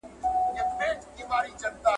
خو تر دې پړاو په تېرېدلو سره يې بيا